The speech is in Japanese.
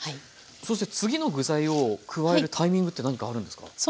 そして次の具材を加えるタイミングって何かあるんですか？